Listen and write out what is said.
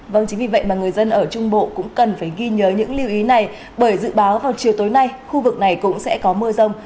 vâng chính vì vậy mà người dân ở trung bộ cũng cần phải ghi nhớ những lưu ý này bởi dự báo vào chiều tối nay khu vực này cũng sẽ có mưa rông